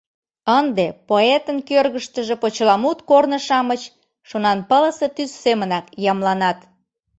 Ынде поэтын кӧргыштыжӧ почеламут корно-шамыч шонанпылысе тӱс семынак ямланат.